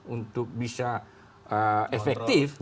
untuk bisa efektif